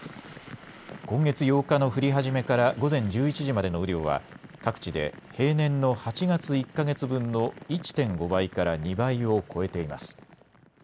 今月８日の降り始めから午前１１時までの雨量は各地で平年の８月１か月分の１．５倍から２倍を超えています。